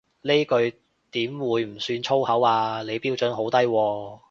呢句點會唔算粗口啊，你標準好低喎